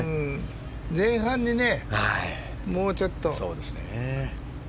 前半にもうちょっと。